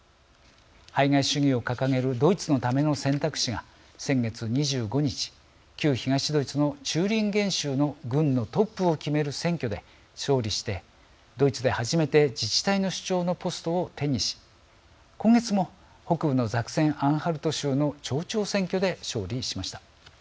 排外主義を掲げるドイツのための選択肢が先月２５日旧東ドイツのチューリンゲン州の郡のトップを決める選挙で勝利してドイツで初めて自治体の首長のポストを手にし今月も北部のザクセン・アンハルト州の町長選挙で勝利しました。